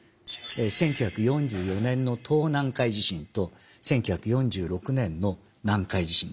１９４４年の東南海地震と１９４６年の南海地震なんです。